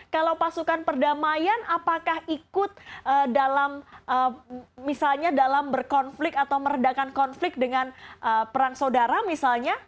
kalau pasukan perdamaian apakah ikut dalam misalnya dalam berkonflik atau meredakan konflik dengan perang saudara misalnya